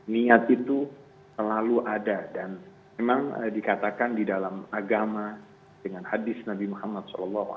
niat itu selalu ada dan memang dikatakan di dalam agama dengan hadis nabi muhammad saw